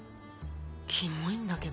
キモいんだけど。